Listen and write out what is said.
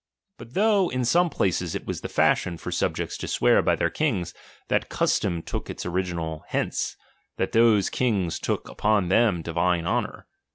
But though in some places it was the fashion for subjects to swear by their kings, that custom took its original hence, that those kings took upon them divine honour.